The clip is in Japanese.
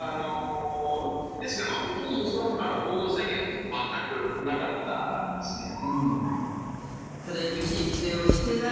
ですが、ほとんどそのほかの行動制限は全くなかったですね。